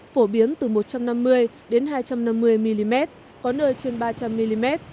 phổ biến từ một trăm năm mươi đến hai trăm năm mươi mm có nơi trên ba trăm linh mm